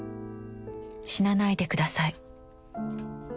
『死なないでください』